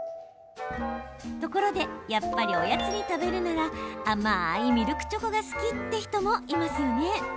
ところで、やっぱりおやつに食べるなら甘いミルクチョコが好きって人もいますよね。